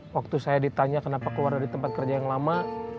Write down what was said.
waktu saya ditanya kenapa keluar dari tempat kerja yang lama